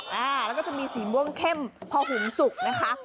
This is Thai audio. แล้วก็จะมีสีม่วงเข้มพอหุงสุกนะคะ